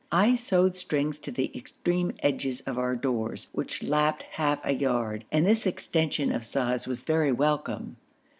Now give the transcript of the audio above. I sewed strings to the extreme edges of our doors, which lapped half a yard, and this extension of size was very welcome.